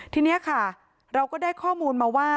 ทีนี้ค่ะเราก็ได้ข้อมูลมาว่า